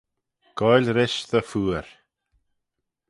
Goaill rish dty phooar.